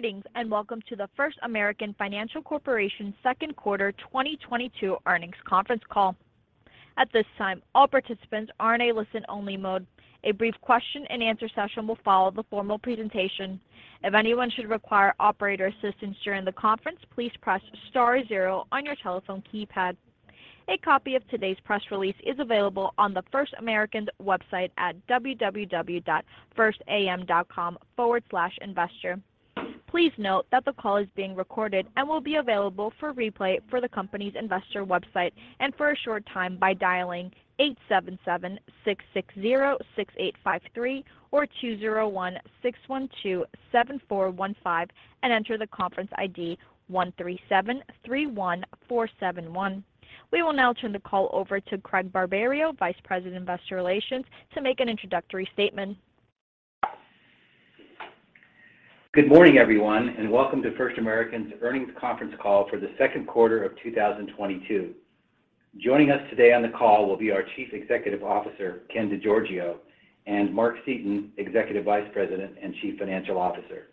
Greetings, and welcome to the First American Financial Corporation second quarter 2022 earnings conference call. At this time, all participants are in a listen-only mode. A brief question and answer session will follow the formal presentation. If anyone should require operator assistance during the conference, please press star zero on your telephone keypad. A copy of today's press release is available on the First American's website at www.firstam.com/investor. Please note that the call is being recorded and will be available for replay for the company's investor website and for a short time by dialing 877-660-6853 or 201-612-7415 and enter the conference ID 13731471. We will now turn the call over to Craig Barberio, Vice President of Investor Relations, to make an introductory statement. Good morning, everyone, and welcome to First American's earnings conference call for the second quarter of 2022. Joining us today on the call will be our Chief Executive Officer, Ken DeGiorgio, and Mark Seaton, Executive Vice President and Chief Financial Officer.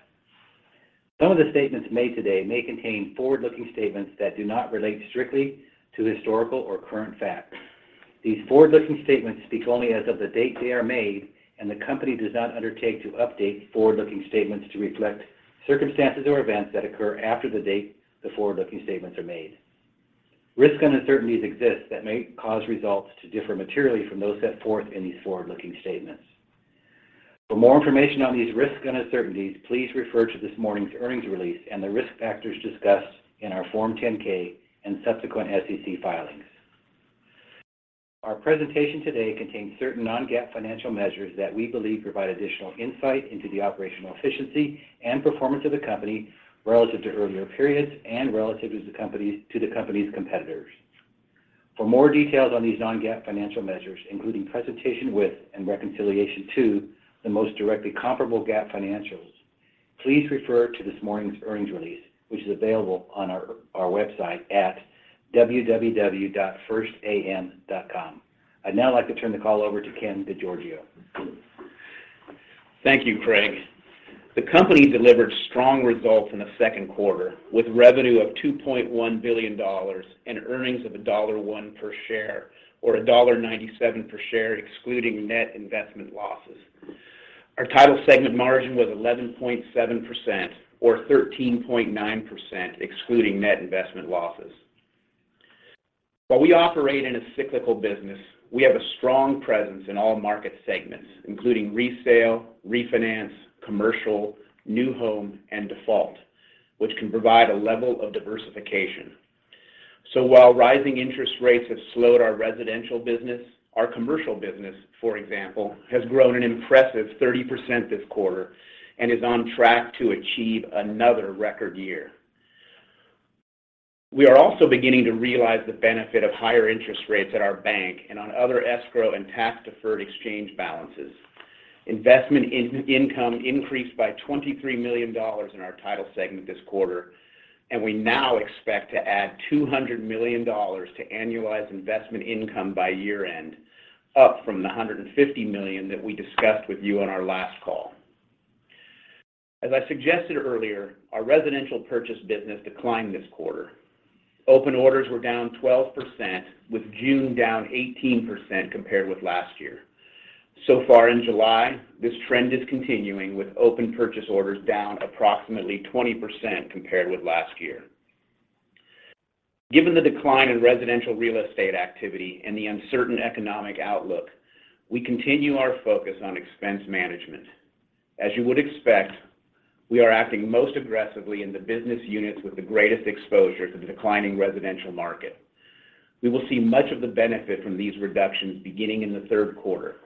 Some of the statements made today may contain forward-looking statements that do not relate strictly to historical or current facts. These forward-looking statements speak only as of the date they are made, and the company does not undertake to update forward-looking statements to reflect circumstances or events that occur after the date the forward-looking statements are made. Risks and uncertainties exist that may cause results to differ materially from those set forth in these forward-looking statements. For more information on these risks and uncertainties, please refer to this morning's earnings release and the risk factors discussed in our Form 10-K and subsequent SEC filings. Our presentation today contains certain non-GAAP financial measures that we believe provide additional insight into the operational efficiency and performance of the company relative to earlier periods and relative to the company's competitors. For more details on these non-GAAP financial measures, including presentation with and reconciliation to the most directly comparable GAAP financials, please refer to this morning's earnings release, which is available on our website at www.firstam.com. I'd now like to turn the call over to Ken DeGiorgio. Thank you, Craig. The company delivered strong results in the second quarter, with revenue of $2.1 billion and earnings of $1.01 per share, or $1.97 per share excluding net investment losses. Our title segment margin was 11.7% or 13.9% excluding net investment losses. While we operate in a cyclical business, we have a strong presence in all market segments, including resale, refinance, commercial, new home, and default, which can provide a level of diversification. While rising interest rates have slowed our residential business, our commercial business, for example, has grown an impressive 30% this quarter and is on track to achieve another record year. We are also beginning to realize the benefit of higher interest rates at our bank and on other escrow and tax-deferred exchange balances. Investment income increased by $23 million in our title segment this quarter, and we now expect to add $200 million to annualized investment income by year-end, up from the $150 million that we discussed with you on our last call. As I suggested earlier, our residential purchase business declined this quarter. Open orders were down 12%, with June down 18% compared with last year. So far in July, this trend is continuing with open purchase orders down approximately 20% compared with last year. Given the decline in residential real estate activity and the uncertain economic outlook, we continue our focus on expense management. As you would expect, we are acting most aggressively in the business units with the greatest exposure to the declining residential market. We will see much of the benefit from these reductions beginning in the third quarter.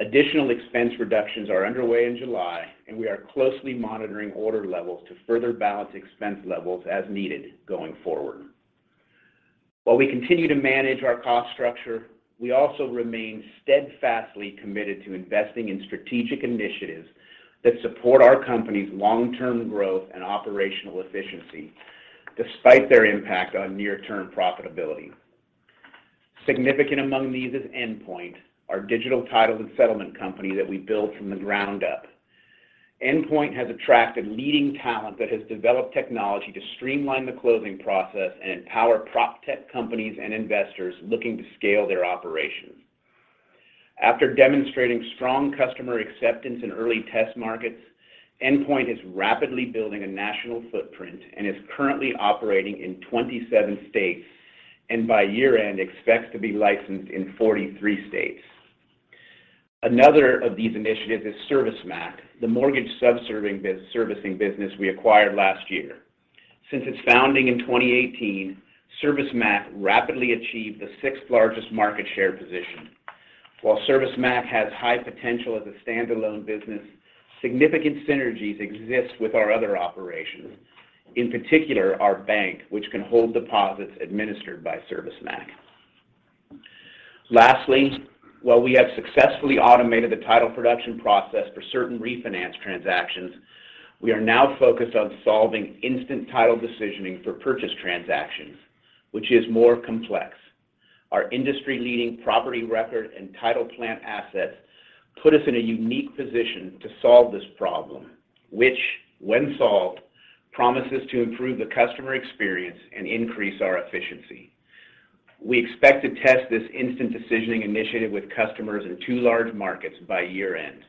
Additional expense reductions are underway in July, and we are closely monitoring order levels to further balance expense levels as needed going forward. While we continue to manage our cost structure, we also remain steadfastly committed to investing in strategic initiatives that support our company's long-term growth and operational efficiency despite their impact on near-term profitability. Significant among these is Endpoint, our digital title and settlement company that we built from the ground up. Endpoint has attracted leading talent that has developed technology to streamline the closing process and empower proptech companies and investors looking to scale their operations. After demonstrating strong customer acceptance in early test markets, Endpoint is rapidly building a national footprint and is currently operating in 27 states and by year-end expects to be licensed in 43 states. Another of these initiatives is ServiceMac, the mortgage subservicing business we acquired last year. Since its founding in 2018, ServiceMac rapidly achieved the sixth largest market share position. While ServiceMac has high potential as a standalone business, significant synergies exist with our other operations, in particular our bank, which can hold deposits administered by ServiceMac. Lastly, while we have successfully automated the title production process for certain refinance transactions, we are now focused on solving instant title decisioning for purchase transactions, which is more complex. Our industry-leading property record and title plant assets put us in a unique position to solve this problem, which, when solved, promises to improve the customer experience and increase our efficiency. We expect to test this instant decisioning initiative with customers in two large markets by year-end.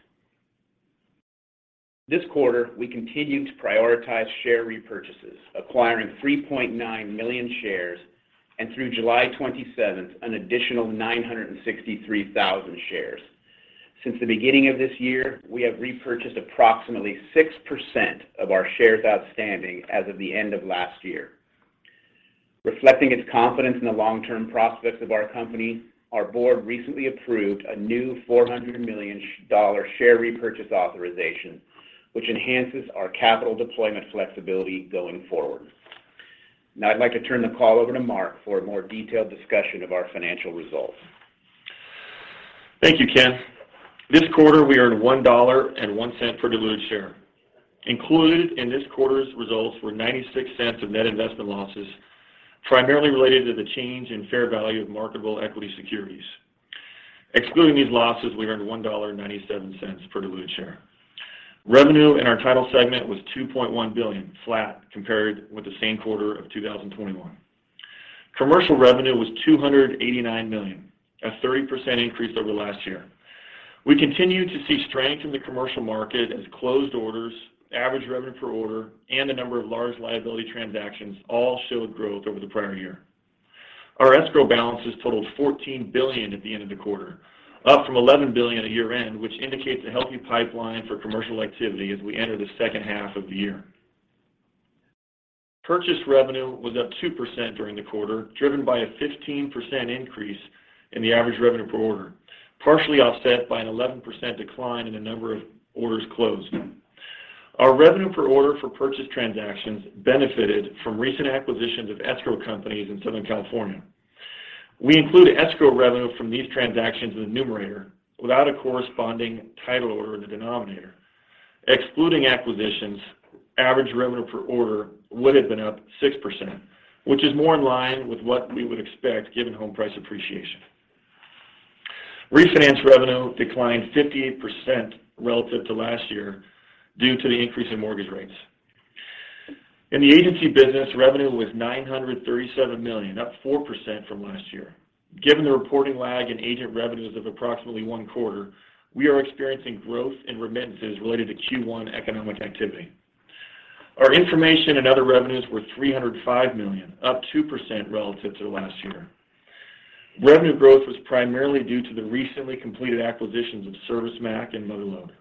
This quarter, we continued to prioritize share repurchases, acquiring 3.9 million shares, and through July 27th, an additional 963,000 shares. Since the beginning of this year, we have repurchased approximately 6% of our shares outstanding as of the end of last year. Reflecting its confidence in the long-term prospects of our company, our board recently approved a new $400 million share repurchase authorization, which enhances our capital deployment flexibility going forward. Now I'd like to turn the call over to Mark for a more detailed discussion of our financial results. Thank you, Ken. This quarter, we earned $1.01 per diluted share. Included in this quarter's results were $0.96 of net investment losses, primarily related to the change in fair value of marketable equity securities. Excluding these losses, we earned $1.97 per diluted share. Revenue in our title segment was $2.1 billion, flat compared with the same quarter of 2021. Commercial revenue was $289 million, a 30% increase over last year. We continue to see strength in the commercial market as closed orders, average revenue per order, and the number of large liability transactions all showed growth over the prior year. Our escrow balances totaled $14 billion at the end of the quarter, up from $11 billion at year-end, which indicates a healthy pipeline for commercial activity as we enter the second half of the year. Purchase revenue was up 2% during the quarter, driven by a 15% increase in the average revenue per order, partially offset by an 11% decline in the number of orders closed. Our revenue per order for purchase transactions benefited from recent acquisitions of escrow companies in Southern California. We include escrow revenue from these transactions in the numerator without a corresponding title order in the denominator. Excluding acquisitions, average revenue per order would have been up 6%, which is more in line with what we would expect given home price appreciation. Refinance revenue declined 58% relative to last year due to the increase in mortgage rates. In the agency business, revenue was $937 million, up 4% from last year. Given the reporting lag in agent revenues of approximately one quarter, we are experiencing growth in remittances related to Q1 economic activity. Our information and other revenues were $305 million, up 2% relative to last year. Revenue growth was primarily due to the recently completed acquisitions of ServiceMac and Mother Lode.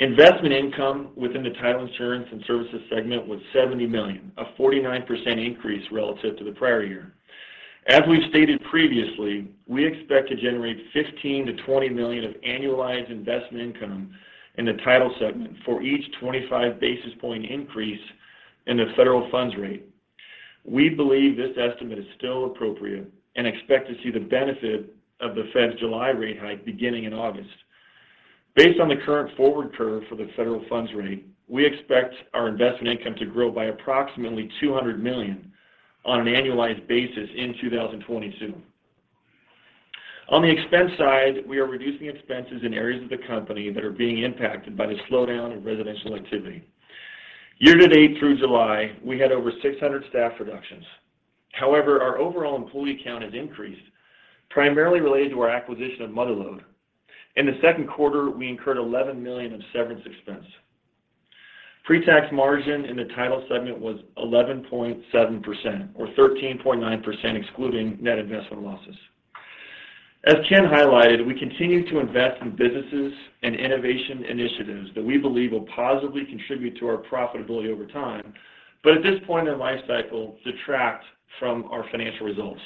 Investment income within the title insurance and services segment was $70 million, a 49% increase relative to the prior year. As we've stated previously, we expect to generate $15 million-$20 million of annualized investment income in the title segment for each 25 basis point increase in the federal funds rate. We believe this estimate is still appropriate and expect to see the benefit of the Fed's July rate hike beginning in August. Based on the current forward curve for the federal funds rate, we expect our investment income to grow by approximately $200 million on an annualized basis in 2022. On the expense side, we are reducing expenses in areas of the company that are being impacted by the slowdown in residential activity. Year-to-date through July, we had over 600 staff reductions. However, our overall employee count has increased, primarily related to our acquisition of Mother Lode. In the second quarter, we incurred $11 million of severance expense. Pre-tax margin in the title segment was 11.7% or 13.9% excluding net investment losses. As Ken highlighted, we continue to invest in businesses and innovation initiatives that we believe will positively contribute to our profitability over time, but at this point in their lifecycle, detract from our financial results.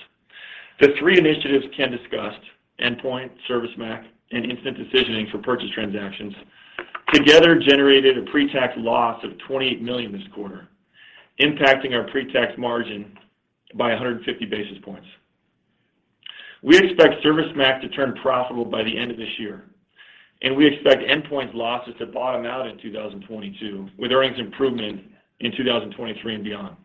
The three initiatives Ken discussed, Endpoint, ServiceMac, and instant title decisioning for purchase transactions, together generated a pre-tax loss of $28 million this quarter, impacting our pre-tax margin by 150 basis points. We expect ServiceMac to turn profitable by the end of this year, and we expect Endpoint's losses to bottom out in 2022, with earnings improvement in 2023 and beyond.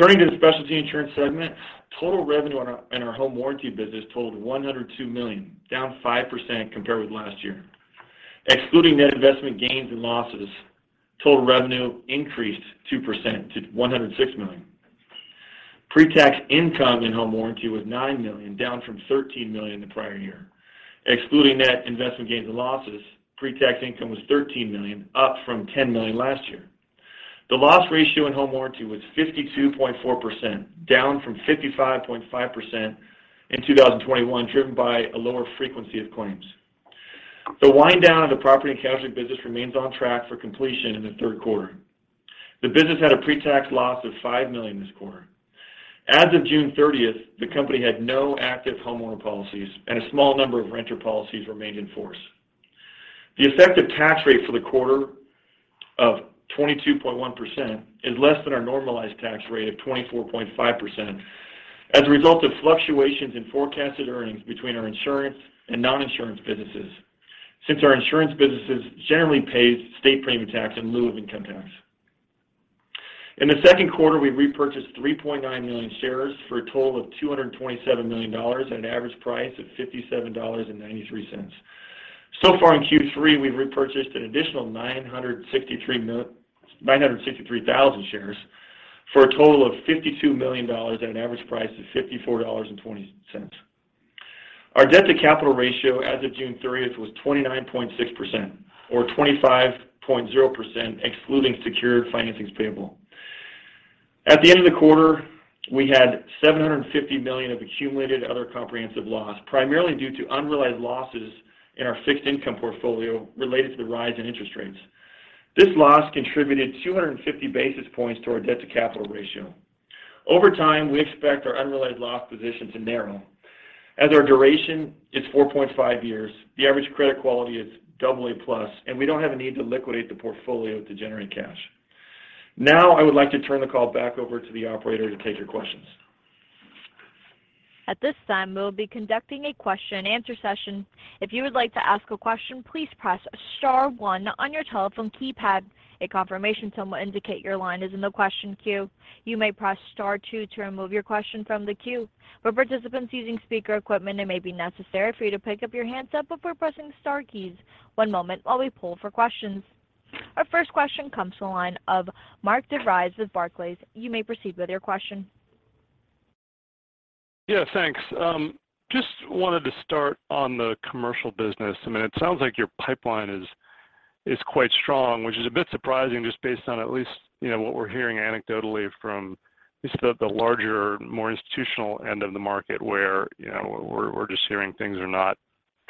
Turning to the specialty insurance segment, total revenue in our home warranty business totaled $102 million, down 5% compared with last year. Excluding net investment gains and losses, total revenue increased 2% to $106 million. Pre-tax income in home warranty was $9 million, down from $13 million the prior year. Excluding net investment gains and losses, pre-tax income was $13 million, up from $10 million last year. The loss ratio in home warranty was 52.4%, down from 55.5% in 2021, driven by a lower frequency of claims. The wind down of the property and casualty business remains on track for completion in the third quarter. The business had a pre-tax loss of $5 million this quarter. As of June 30th, the company had no active homeowner policies, and a small number of renter policies remained in force. The effective tax rate for the quarter of 22.1% is less than our normalized tax rate of 24.5% as a result of fluctuations in forecasted earnings between our insurance and non-insurance businesses. Since our insurance businesses generally pays state premium tax in lieu of income tax. In the second quarter, we repurchased 3.9 million shares for a total of $227 million at an average price of $57.93. So far in Q3, we've repurchased an additional 963 thousand shares for a total of $52 million at an average price of $54.20. Our debt-to-capital ratio as of June 30th was 29.6% or 25.0% excluding secured financings payable. At the end of the quarter, we had $750 million of accumulated other comprehensive loss, primarily due to unrealized losses in our fixed income portfolio related to the rise in interest rates. This loss contributed 250 basis points to our debt-to-capital ratio. Over time, we expect our unrealized loss position to narrow as our duration is 4.5 years, the average credit quality is AA plus, and we don't have a need to liquidate the portfolio to generate cash. Now I would like to turn the call back over to the operator to take your questions. At this time, we'll be conducting a question and answer session. If you would like to ask a question, please press star one on your telephone keypad. A confirmation tone will indicate your line is in the question queue. You may press star two to remove your question from the queue. For participants using speaker equipment, it may be necessary for you to pick up your handset before pressing star keys. One moment while we poll for questions. Our first question comes from the line of Mark DeVries with Barclays. You may proceed with your question. Yeah, thanks. Just wanted to start on the commercial business. I mean, it sounds like your pipeline is quite strong, which is a bit surprising just based on at least, you know, what we're hearing anecdotally from at least the larger, more institutional end of the market where, you know, we're just hearing things are not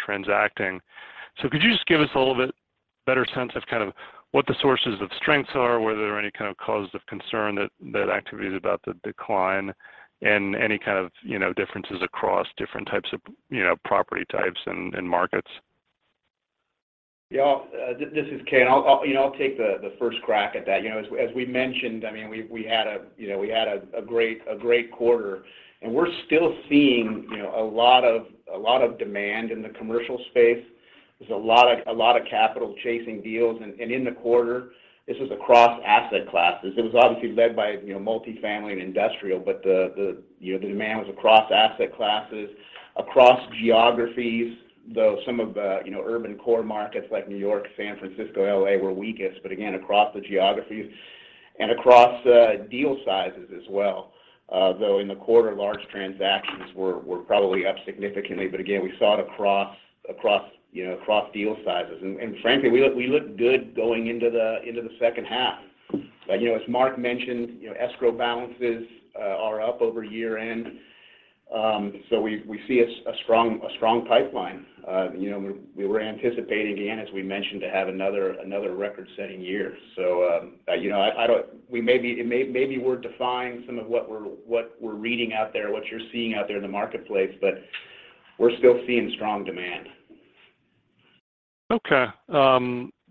transacting. Could you just give us a little bit better sense of kind of what the sources of strengths are, whether there are any kind of causes of concern that activities about the decline and any kind of, you know, differences across different types of, you know, property types and markets? Yeah. This is Ken. I'll take the first crack at that. You know, as we mentioned, I mean, we had a great quarter. We're still seeing a lot of demand in the commercial space. There's a lot of capital chasing deals. In the quarter, this was across asset classes. It was obviously led by multifamily and industrial, but the demand was across asset classes, across geographies, though some of the urban core markets like New York, San Francisco, L.A. were weakest, but again, across the geographies and across deal sizes as well. Though in the quarter, large transactions were probably up significantly, but again, we saw it across, you know, across deal sizes. Frankly, we look good going into the second half. You know, as Mark mentioned, you know, escrow balances are up over year-end. We see a strong pipeline. You know, we were anticipating again, as we mentioned, to have another record-setting year. Maybe we're defying some of what we're reading out there, what you're seeing out there in the marketplace, but we're still seeing strong demand. Okay.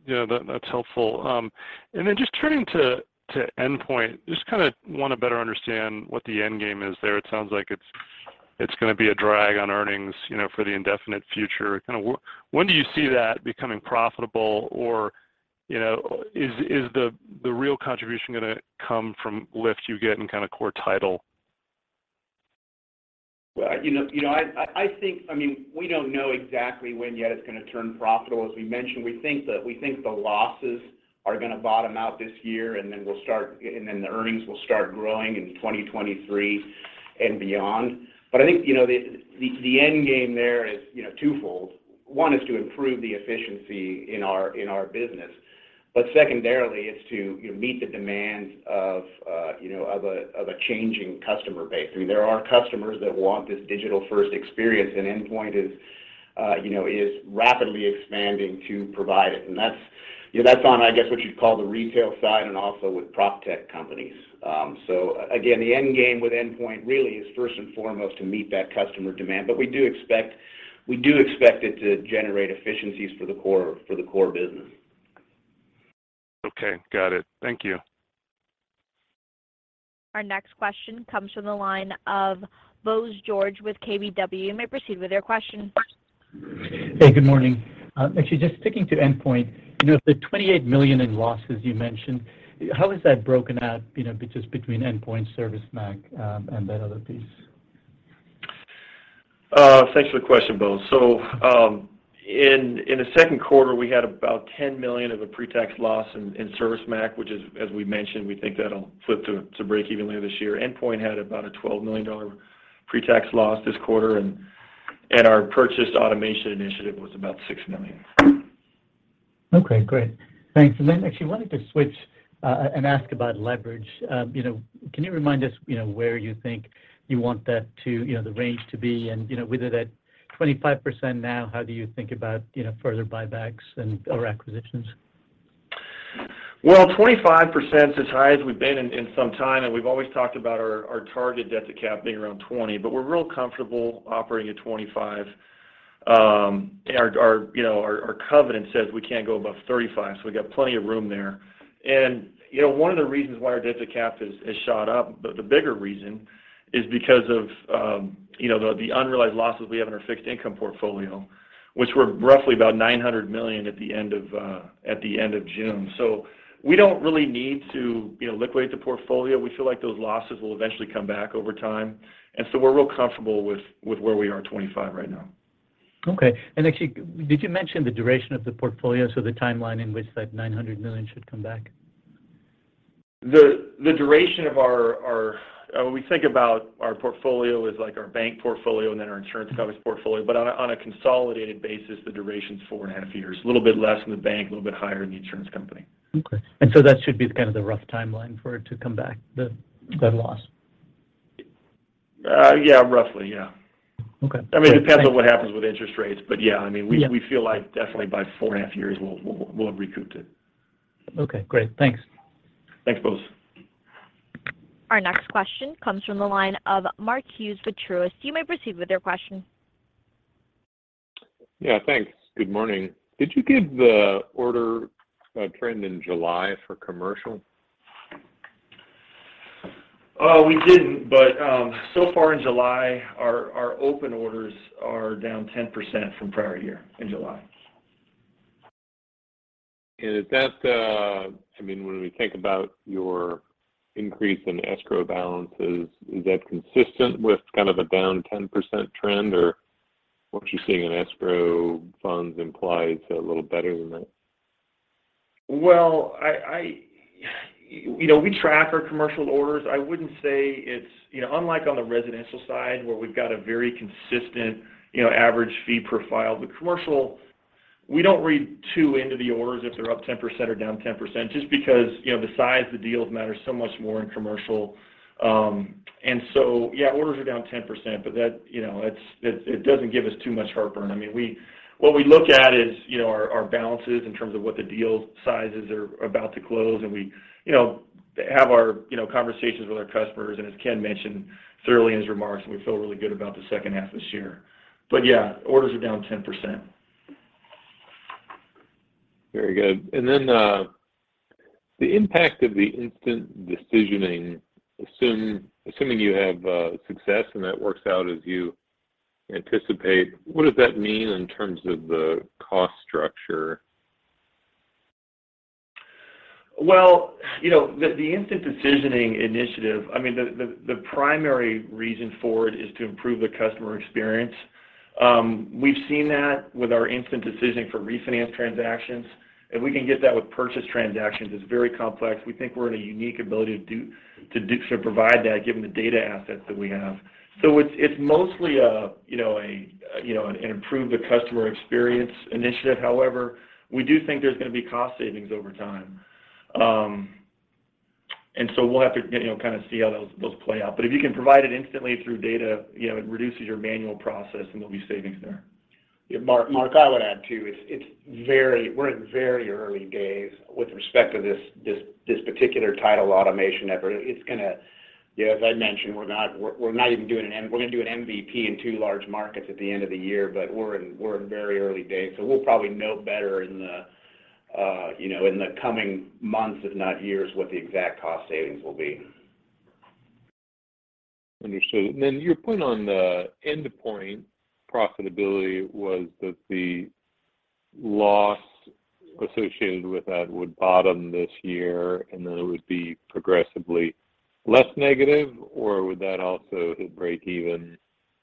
Yeah, that's helpful. Just turning to Endpoint, just kinda wanna better understand what the end game is there. It sounds like it's gonna be a drag on earnings, you know, for the indefinite future. Kinda when do you see that becoming profitable or, you know, is the real contribution gonna come from lift you get in kinda core title? Well, you know, I think. I mean, we don't know exactly when yet it's gonna turn profitable. As we mentioned, we think the losses are gonna bottom out this year, and then the earnings will start growing in 2023 and beyond. I think, you know, the end game there is, you know, twofold. One is to improve the efficiency in our business, but secondarily it's to, you know, meet the demands of a changing customer base. I mean, there are customers that want this digital-first experience, and Endpoint is rapidly expanding to provide it. That's, you know, on, I guess, what you'd call the retail side and also with Proptech companies. Again, the end game with Endpoint really is first and foremost to meet that customer demand. We do expect it to generate efficiencies for the core business. Okay. Got it. Thank you. Our next question comes from the line of Bose George with KBW. You may proceed with your question. Hey, good morning. Actually just sticking to Endpoint, you know, the $28 million in losses you mentioned, how is that broken out, you know, between Endpoint, ServiceMac, and that other piece? Thanks for the question, Bose. In the second quarter, we had about $10 million of a pretax loss in ServiceMac, which is, as we mentioned, we think that'll flip to breakeven later this year. Endpoint had about a $12 million pretax loss this quarter, and our purchased automation initiative was about $6 million. Okay, great. Thanks. Actually wanted to switch and ask about leverage. You know, can you remind us, you know, where you think you want that to, you know, the range to be? You know, with it at 25% now, how do you think about, you know, further buybacks and/or acquisitions? Well, 25% is as high as we've been in some time, and we've always talked about our target debt-to-capital ratio being around 20. We're real comfortable operating at 25. Our covenant says we can't go above 35%, so we got plenty of room there. You know, one of the reasons why our debt-to-capital has shot up, but the bigger reason is because of, you know, the unrealized losses we have in our fixed income portfolio. Which were roughly about $900 million at the end of June. We don't really need to, you know, liquidate the portfolio. We feel like those losses will eventually come back over time. We're real comfortable with where we are at 25% right now. Okay. Actually, did you mention the duration of the portfolio? The timeline in which that $900 million should come back? The duration of our portfolio, when we think about our portfolio, is like our bank portfolio and then our insurance coverage portfolio. On a consolidated basis, the duration's four and a half years. A little bit less than the bank, a little bit higher in the insurance company. Okay. That should be kind of the rough timeline for it to come back, that loss? Yeah. Roughly, yeah. Okay. I mean, it depends on what happens with interest rates. Yeah. Yeah We feel like definitely by four and a half years we'll have recouped it. Okay, great. Thanks. Thanks, Bose. Our next question comes from the line of Mark Hughes with Truist. You may proceed with your question. Yeah, thanks. Good morning. Did you give the order, trend in July for commercial? We didn't, but so far in July our open orders are down 10% from prior year in July. Is that, I mean, when we think about your increase in escrow balances, is that consistent with kind of a down 10% trend? Or what you're seeing in escrow funds implies a little better than that? Well, you know, we track our commercial orders. I wouldn't say it's. You know, unlike on the residential side where we've got a very consistent, you know, average fee profile. The commercial, we don't read too much into the orders if they're up 10% or down 10%, just because, you know, the size of the deals matter so much more in commercial. Yeah, orders are down 10%, but that, you know, it doesn't give us too much heartburn. I mean, what we look at is, you know, our balances in terms of what the deal sizes are about to close and we, you know, have our conversations with our customers. As Ken mentioned thoroughly in his remarks, we feel really good about the second half of this year. Yeah, orders are down 10%. Very good. Then, the impact of the instant decisioning, assuming you have success and that works out as you anticipate, what does that mean in terms of the cost structure? Well, you know, the instant decisioning initiative, the primary reason for it is to improve the customer experience. We've seen that with our instant decision for refinance transactions. If we can get that with purchase transactions, it's very complex. We think we're in a unique ability to do sort of provide that given the data assets that we have. It's mostly a you know an improvement to the customer experience initiative. However, we do think there's gonna be cost savings over time. We'll have to you know kind of see how those play out. If you can provide it instantly through data, you know, it reduces your manual process and there'll be savings there. Yeah. Mark, I would add too. We're in very early days with respect to this particular title automation effort. It's gonna, you know, as I mentioned, we're not even doing an MVP. We're gonna do an MVP in two large markets at the end of the year, but we're in very early days. We'll probably know better in the, you know, in the coming months, if not years, what the exact cost savings will be. Understood. Your point on the Endpoint profitability was that the loss associated with that would bottom this year, and then it would be progressively less negative, or would that also hit breakeven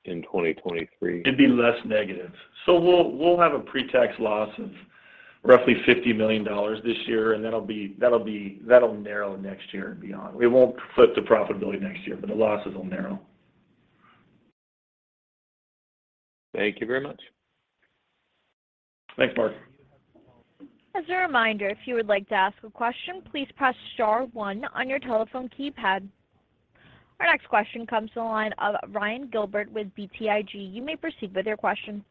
in 2023? It'd be less negative. We'll have a pre-tax loss of roughly $50 million this year, and that'll narrow next year and beyond. We won't flip to profitability next year, but the losses will narrow. Thank you very much. Thanks, Mark. As a reminder, if you would like to ask a question, please press star one on your telephone keypad. Our next question comes to the line of Ryan Gilbert with BTIG. You may proceed with your question.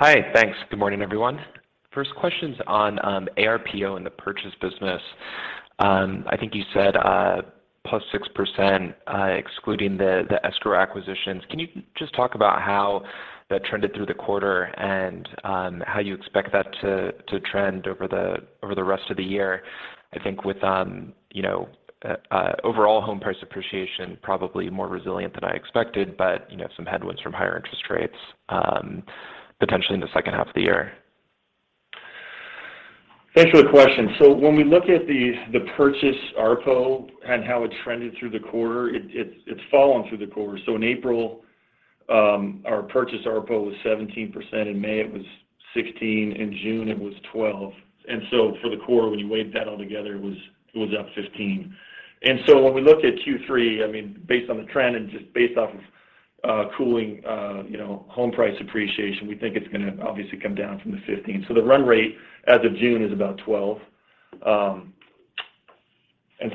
Hi. Thanks. Good morning, everyone. First question's on ARPO in the purchase business. I think you said +6%, excluding the escrow acquisitions. Can you just talk about how that trended through the quarter and how you expect that to trend over the rest of the year? I think with you know overall home price appreciation probably more resilient than I expected, but you know some headwinds from higher interest rates potentially in the second half of the year. Thanks for the question. When we look at the purchase ARPO and how it's trended through the quarter, it's fallen through the quarter. In April, our purchase ARPO was 17%, in May it was 16%, in June it was 12%. For the quarter, when you weighted that all together, it was up 15%. When we look at Q3, I mean, based on the trend and just based off of cooling, you know, home price appreciation, we think it's gonna obviously come down from the 15%. The run rate as of June is about 12%.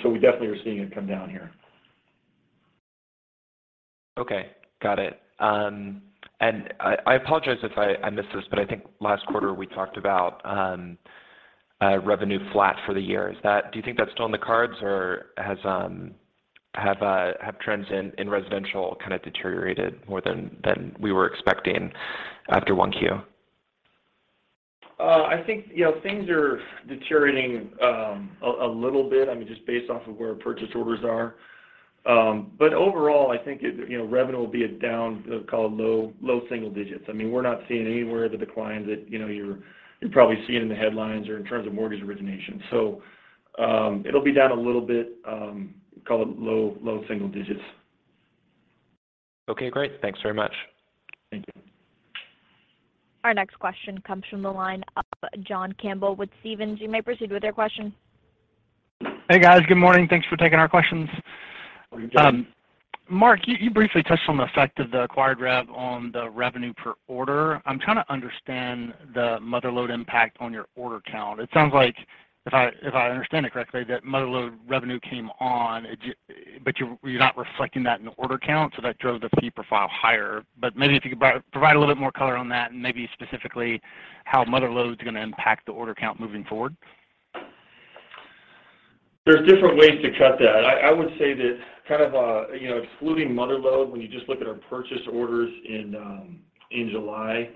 We definitely are seeing it come down here. Okay. Got it. I apologize if I missed this, but I think last quarter we talked about revenue flat for the year. Do you think that's still in the cards or have trends in residential kind of deteriorated more than we were expecting after 1Q? I think, you know, things are deteriorating a little bit, I mean, just based off of where purchase orders are. Overall, I think it, you know, revenue will be down, call it low single digits. I mean, we're not seeing anywhere the declines that, you know, you're probably seeing in the headlines or in terms of mortgage origination. It'll be down a little bit, call it low single digits. Okay, great. Thanks very much. Thank you. Our next question comes from the line of John Campbell with Stephens. You may proceed with your question. Hey, guys. Good morning. Thanks for taking our questions. Good morning, John. Mark, you briefly touched on the effect of the acquired rev on the revenue per order. I'm trying to understand the Mother Lode impact on your order count. It sounds like if I understand it correctly, that Mother Lode revenue, but you're not reflecting that in the order count, so that drove the fee profile higher. Maybe if you could provide a little bit more color on that and maybe specifically how Mother Lode's gonna impact the order count moving forward. There's different ways to cut that. I would say that kind of, you know, excluding Mother Lode, when you just look at our purchase orders in July,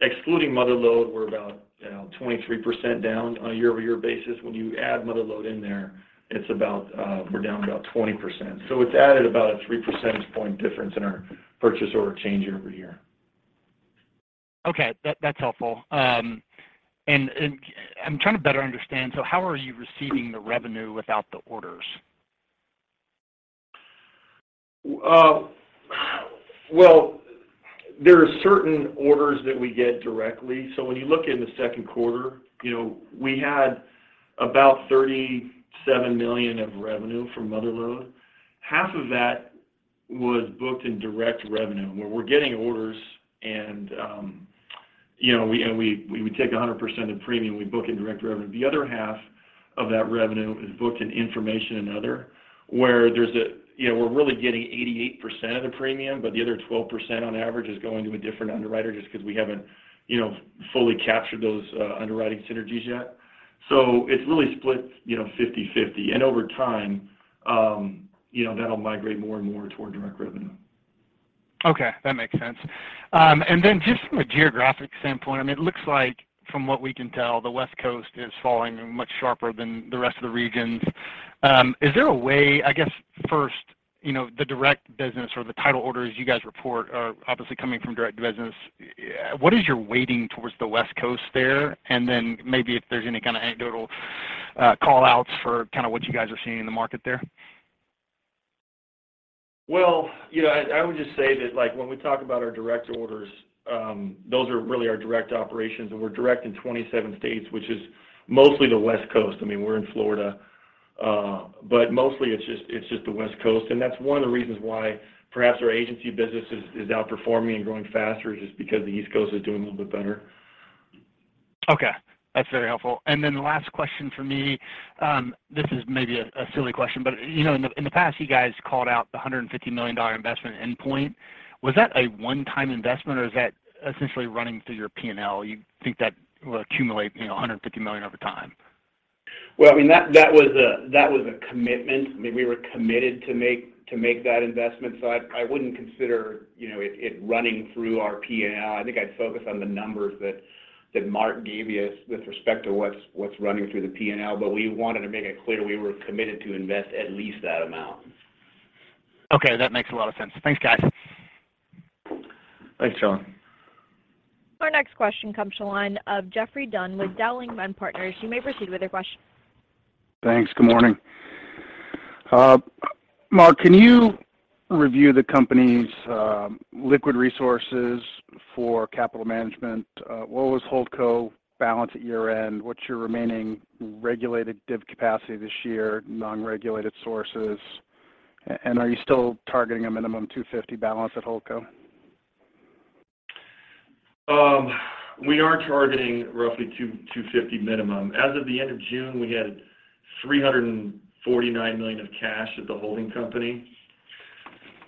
excluding Mother Lode, we're about, you know, 23% down on a year-over-year basis. When you add Mother Lode in there, it's about, we're down about 20%. It's added about a 3 percentage point difference in our purchase order change year-over-year. Okay. That's helpful. I'm trying to better understand, so how are you receiving the revenue without the orders? Well, there are certain orders that we get directly. When you look in the second quarter, you know, we had about $37 million of revenue from Mother Lode. Half of that was booked in direct revenue, where we're getting orders and, you know, we take 100% of the premium, we book in direct revenue. The other half of that revenue is booked in information and other, where there's a. You know, we're really getting 88% of the premium, but the other 12% on average is going to a different underwriter just 'cause we haven't, you know, fully captured those underwriting synergies yet. It's really split, you know, 50/50. Over time, you know, that'll migrate more and more toward direct revenue. Okay. That makes sense. Just from a geographic standpoint, I mean, it looks like, from what we can tell, the West Coast is falling much sharper than the rest of the regions. Is there a way, I guess first, you know, the direct business or the title orders you guys report are obviously coming from direct business. What is your weighting towards the West Coast there? Maybe if there's any kind of anecdotal call-outs for kind of what you guys are seeing in the market there. Well, you know, I would just say that, like, when we talk about our direct orders, those are really our direct operations, and we're direct in 27 states, which is mostly the West Coast. I mean, we're in Florida, but mostly it's just the West Coast, and that's one of the reasons why perhaps our agency business is outperforming and growing faster is just because the East Coast is doing a little bit better. Okay. That's very helpful. Then the last question from me, this is maybe a silly question, but you know, in the past, you guys called out the $150 million investment in Endpoint. Was that a one-time investment, or is that essentially running through your P&L? You think that will accumulate, you know, $150 million over time? Well, I mean, that was a commitment. I mean, we were committed to make that investment. I wouldn't consider, you know, it running through our P&L. I think I'd focus on the numbers that Mark gave you with respect to what's running through the P&L. We wanted to make it clear we were committed to invest at least that amount. Okay. That makes a lot of sense. Thanks, guys. Thanks, John. Our next question comes from the line of Geoffrey Dunn with Dowling & Partners. You may proceed with your question. Thanks. Good morning. Mark, can you review the company's liquid resources for capital management? What was Holdco balance at year-end? What's your remaining regulated div capacity this year, non-regulated sources? And are you still targeting a minimum $250 balance at Holdco? We are targeting roughly 250 minimum. As of the end of June, we had $349 million of cash at the holding company.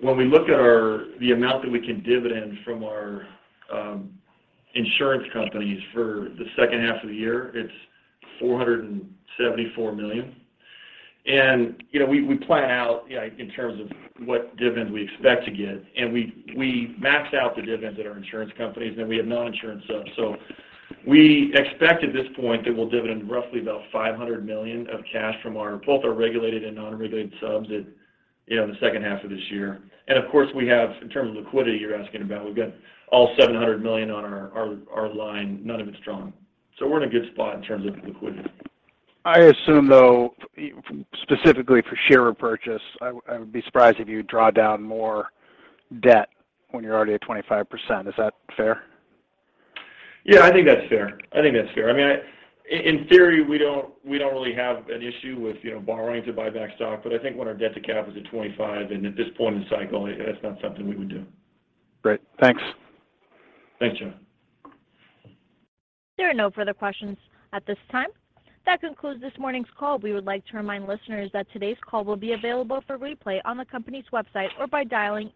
When we look at the amount that we can dividend from our insurance companies for the second half of the year, it's $474 million. You know, we plan out, you know, in terms of what dividends we expect to get, and we max out the dividends at our insurance companies, then we have non-insurance subs. We expect at this point that we'll dividend roughly about $500 million of cash from both our regulated and non-regulated subs in the second half of this year. Of course, we have, in terms of liquidity you're asking about, we've got all $700 million on our line, none of it's drawn. We're in a good spot in terms of liquidity. I assume, though, specifically for share repurchase, I would be surprised if you draw down more debt when you're already at 25%. Is that fair? I think that's fair. I mean, in theory, we don't really have an issue with, you know, borrowing to buy back stock. I think when our debt to cap is at 25, and at this point in the cycle, it's not something we would do. Great. Thanks. Thanks, John. There are no further questions at this time. That concludes this morning's call. We would like to remind listeners that today's call will be available for replay on the company's website or by dialing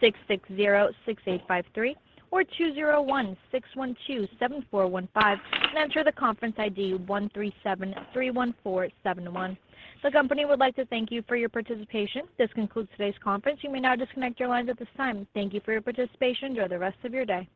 877-660-6853 or 201-612-7415 and enter the conference ID 13731471. The company would like to thank you for your participation. This concludes today's conference. You may now disconnect your lines at this time. Thank you for your participation. Enjoy the rest of your day.